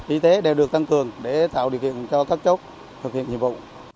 y tế đều được tăng cường để tạo điều kiện cho các chốt thực hiện nhiệm vụ